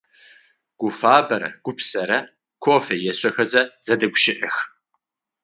Гуфабэрэ Гупсэрэ кофе ешъохэзэ зэдэгущыӀэх.